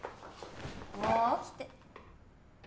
もう起きて。